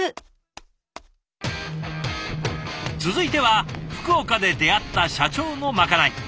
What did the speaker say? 続いては福岡で出会った社長のまかない。